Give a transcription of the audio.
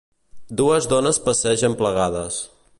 Dues dones passegen plegades.